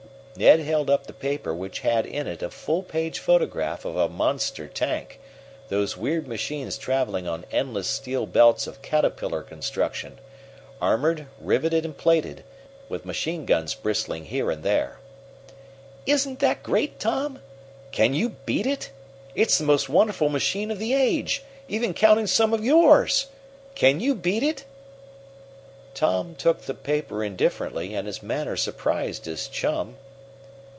Ned held up the paper which had in it a fullpage photograph of a monster tank those weird machines traveling on endless steel belts of caterpillar construction, armored, riveted and plated, with machine guns bristling here and there. "Isn't that great, Tom? Can you beat it? It's the most wonderful machine of the age, even counting some of yours. Can you beat it?" Tom took the paper indifferently, and his manner surprised his chum.